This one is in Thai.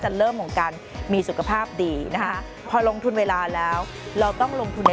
เริ่มของการมีสุขภาพดีนะคะพอลงทุนเวลาแล้วเราต้องลงทุนใน